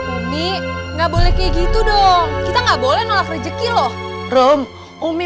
umi nggak boleh kayak gitu dong kita nggak boleh nolak rejeki loh rom umi